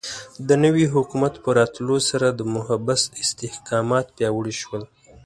د نوي حکومت په راتلو سره د محبس استحکامات پیاوړي شول.